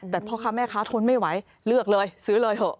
แต่พ่อค้าแม่ค้าทนไม่ไหวเลือกเลยซื้อเลยเถอะ